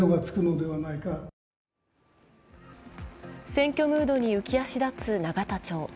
選挙ムードに浮き足立つ永田町。